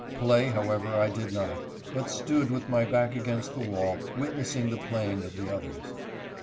Play, however, I did not, but stood with my back against the wall witnessing the playing of HIS GRIEF. 33 the others.